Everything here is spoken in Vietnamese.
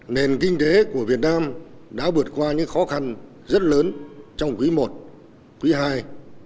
nền kinh tế của việt nam đã vượt qua những khó khăn rất lớn trong quý i quý ii